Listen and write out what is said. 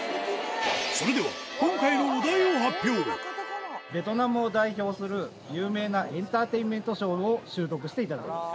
それではベトナムを代表する有名なエンターテインメントショーを習得していただきます。